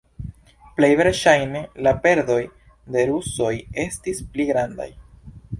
Plej verŝajne la perdoj de rusoj estis pli grandaj.